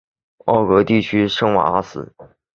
奥格地区圣瓦阿斯。